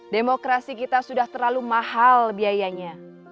demokrasi kita sudah terlalu mahal biayanya